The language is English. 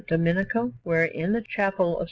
Domenico, where, in the Chapel of S.